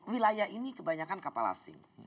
wilayah ini kebanyakan kapal asing